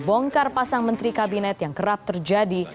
bongkar pasang menteri kabinet yang kerap terjadi